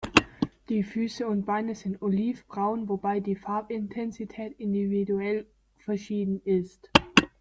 Die Füße und Beine sind oliv-braun, wobei die Farbintensität individuell verschieden ist.